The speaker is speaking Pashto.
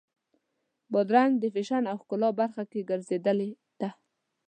بادرنګ د فیشن او ښکلا برخه هم ګرځېدلې ده.